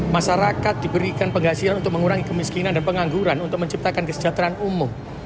masyarakat diberikan penghasilan untuk mengurangi kemiskinan dan pengangguran untuk menciptakan kesejahteraan umum